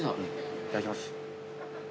いただきます。